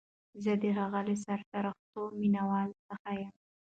زه د هغه له سرسختو مینوالو څخه یم